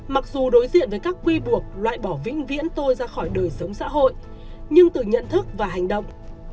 mặc dù đối diện với các quy buộc loại bỏ vĩnh viễn tôi ra khỏi đời sống xã hội nhưng từ nhận thức và hành động